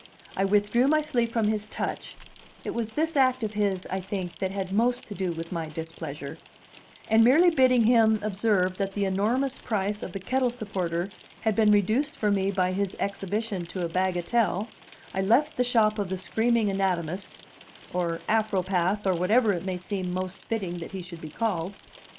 I withdrew my sleeve from his touch (it was this act of his, I think, that had most to do with my displeasure), and merely bidding him observe that the enormous price of the kettle supporter had been reduced for me by his exhibition to a bagatelle, I left the shop of the screaming anatomist or Afropath, or whatever it may seem most fitting that he should be called.